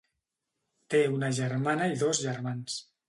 Té una germana i dos germans.